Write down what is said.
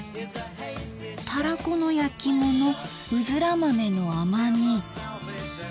「たらこのやきものうづら豆の甘煮」。